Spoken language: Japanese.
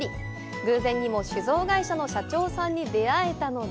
偶然にも酒造会社の社長さんに出会えたので